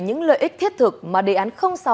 những lợi ích thiết thực mà đề án sáu